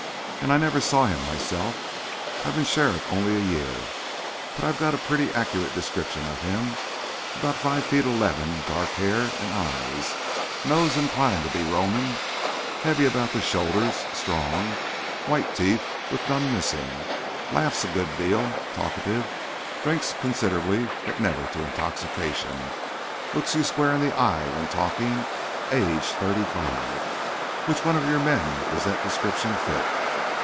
And I never saw him myself. I've been sheriff only a year. But I've got a pretty accurate description of him. About 5 feet 11; dark hair and eyes; nose inclined to be Roman; heavy about the shoulders; strong, white teeth, with none missing; laughs a good deal, talkative; drinks considerably but never to intoxication; looks you square in the eye when talking; age thirty five. Which one of your men does that description fit?"